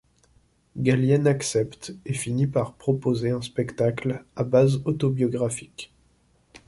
Gallienne accepte, et finit par proposer un spectacle à base autobiographique.